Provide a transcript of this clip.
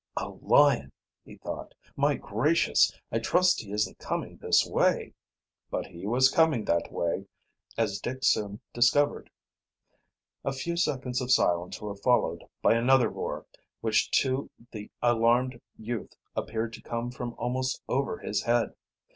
"A lion!" he thought. "My gracious! I trust he isn't coming this way!" But he was coming that way, as Dick soon discovered. A few seconds of silence were followed by another roar which to, the alarmed youth appeared to come from almost over his head.